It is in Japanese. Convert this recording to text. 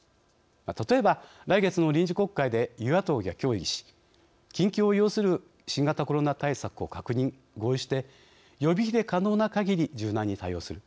例えば来月の臨時国会で与野党が協議し緊急を要する新型コロナ対策を確認・合意して予備費で可能な限り柔軟に対応する。